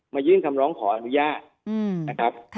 ยื่นคำร้องขออนุญาตนะครับ